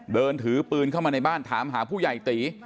เดินถือปืนเข้ามาในบ้านถามหาผู้ใหญ่ตี